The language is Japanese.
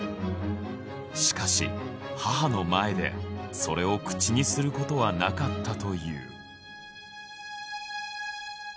しかし母の前でそれを口にする事はなかったという。